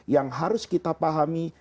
yang harus kita pahami